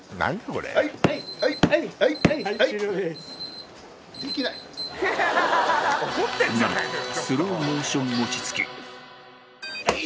はい。